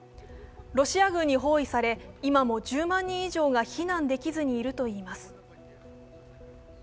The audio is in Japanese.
ロシア軍に包囲され、今も１０万人以上が避難できないでいるといいます。